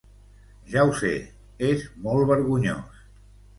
Ja ho sé, és molt vergonyós.